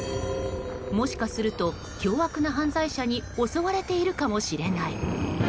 もしかすると、凶悪な犯罪者に襲われているかもしれない。